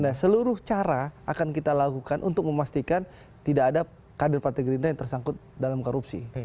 nah seluruh cara akan kita lakukan untuk memastikan tidak ada kader partai gerindra yang tersangkut dalam korupsi